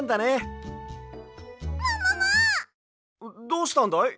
どうしたんだい？